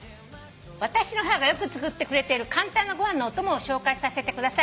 「私の母がよく作ってくれてる簡単なご飯のおともを紹介させてください」